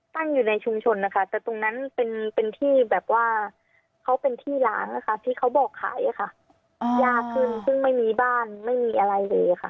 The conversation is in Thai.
ตั้งอยู่ในชุมชนนะคะแต่ตรงนั้นเป็นที่แบบว่าเขาเป็นที่ล้างนะคะที่เขาบอกขายค่ะยากขึ้นซึ่งไม่มีบ้านไม่มีอะไรเลยค่ะ